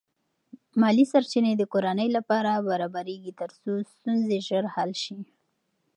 مالی سرچینې د کورنۍ لپاره برابرېږي ترڅو ستونزې ژر حل شي.